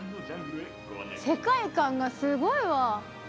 世界観がすごいわ。